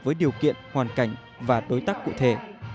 với điều kiện hoàn cảnh và đối tác cụ thể